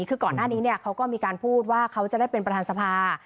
คือก่อนหน้านี้เขาก็มีการพูดว่าเขาจะได้เป็นประธานสภา